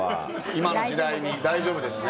今の時代に大丈夫ですね？